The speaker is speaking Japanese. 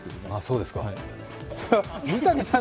三谷さん！